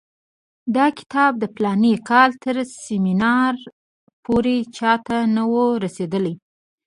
دا کتاب د فلاني کال تر سیمینار پورې چا ته نه وو رسېدلی.